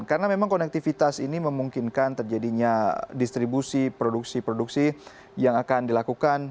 karena memang konektivitas ini memungkinkan terjadinya distribusi produksi produksi yang akan dilakukan